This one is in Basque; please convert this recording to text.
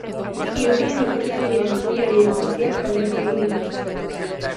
Irudian ikusten diren zubi horiek guztiak aldatu egin dituzte.